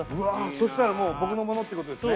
そしたらもう僕のものってことですね